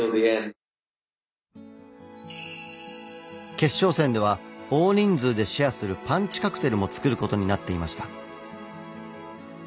決勝戦では大人数でシェアするパンチカクテルも作ることになっていました。